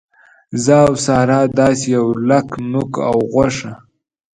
زه او ساره داسې یو لک نوک او غوښه.